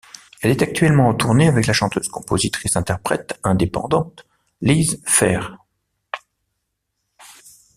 Elle est actuellement en tournée avec la chanteuse-compositrice-interprète indépendante Liz Phair.